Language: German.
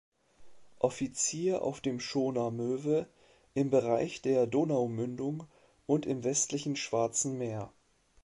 Offizier auf dem Schoner "Möwe" im Bereich der Donaumündung und im westlichen Schwarzen Meer.